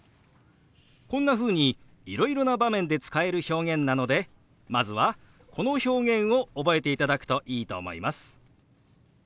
こんなふうにいろいろな場面で使える表現なのでまずはこの表現を覚えていただくといいと思います。